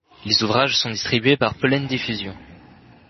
Les ouvrages sont distribués par Pollen Diffusion.